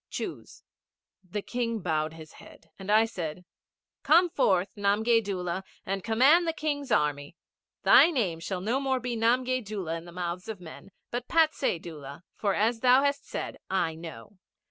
Choose.' The King bowed his head, and I said, 'Come forth, Namgay Doola, and command the King's Army. Thy name shall no more be Namgay in the mouths of men, but Patsay Doola, for as thou hast said, I know.'